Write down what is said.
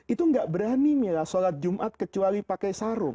itu gak berani mila sholat jumat kecuali pakai sarung